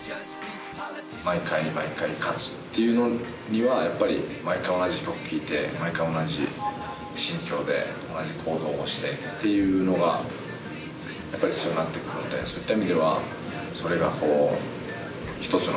毎回毎回勝つっていうのにはやっぱり毎回同じ曲聴いて毎回同じ心境で同じ行動をしてっていうのがやっぱり必要になってくるのでそういった意味では。